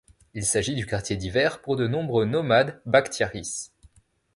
Il s'agit du quartier d'hiver pour de nombreux nomades bakhtiaris.